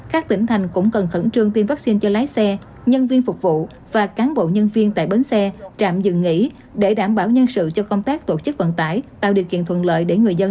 các tỉnh thành cũng cần khẩn trương tiêm vaccine cho lái xe nhân viên phục vụ và cán bộ nhân viên tại bến xe trạm dừng nghỉ để đảm bảo nhân sự cho công tác tổ chức vận tải